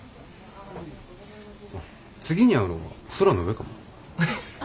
次に会うのは空の上かもな。